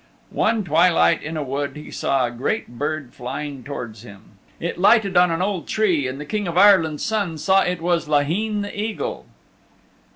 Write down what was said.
One twilight in a wood he saw a great bird flying towards him. It lighted on an old tree, and the King of Ireland's Son saw it was Laheen the Eagle.